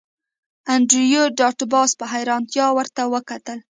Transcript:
انډریو ډاټ باس په حیرانتیا ورته وکتل